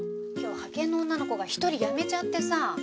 今日派遣の女の子が１人辞めちゃってさ。